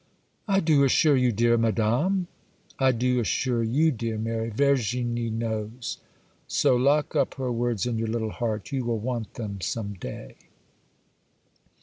'I do assure you, dear Madame!'— 'I do assure you, dear Mary, Virginie knows. So lock up her words in your little heart; you will want them some day.